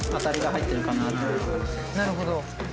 なるほど。